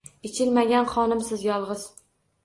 Ichilmagan qonimsiz, yolgʻiz.